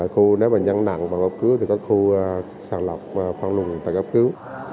khu nếu mà nhân nặng và gấp cứu thì có khu sang lọc phân luồn tại gấp cứu